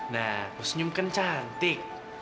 nah lo senyum kan cantik